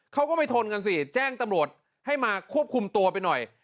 เขาก็ไม่ทนกันสิแจ้งตำรวจให้มาควบคุมตัวไปหน่อย